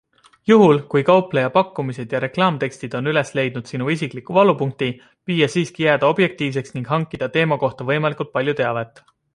Juhul, kui kaupleja pakkumised ja reklaamtekstid on üles leidnud sinu isikliku valupunkti, püüa siiski jääda objektiivseks ning hankida teema kohta võimalikult palju teavet.